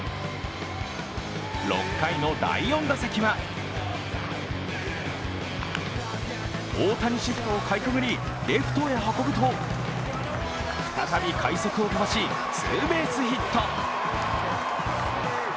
６回の第４打席は大谷シフトをかいくぐりレフトへ運ぶと再び快足を飛ばしツーベースヒット。